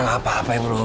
nggak apa apa ya bro